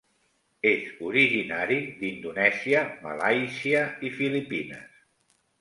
És originari d'Indonèsia, Malàisia i Filipines.